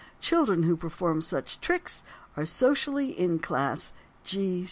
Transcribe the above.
Children who perform such tricks Are socially in Class G 6.